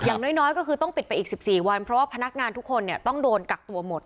อย่างน้อยก็คือต้องปิดไปอีก๑๔วันเพราะว่าพนักงานทุกคนเนี่ยต้องโดนกักตัวหมด